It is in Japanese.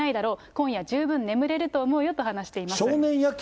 今夜十分眠れると思うよと話しています。